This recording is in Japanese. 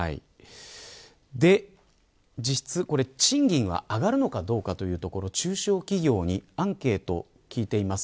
実質、賃金は上がるのかというと中小企業にアンケートを聞いています。